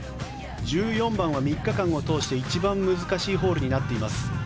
１４番は３日間を通して一番難しいホールになっています。